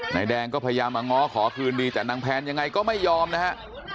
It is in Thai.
นายแดงก็พยายามมาง้อขอคืนดีแต่นางแพนยังไงก็ไม่ยอมนะฮะ